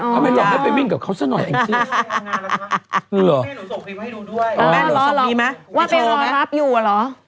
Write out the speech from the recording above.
ทำไมล่ะไม่ไปวิ่งกับเขาซะหน่อยเองจริง